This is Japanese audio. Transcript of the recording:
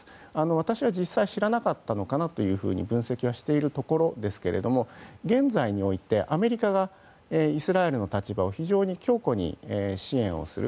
私は実際に知らなかったのかなと分析しているところですが現在においてアメリカがイスラエルの立場を非常に強固に支援する。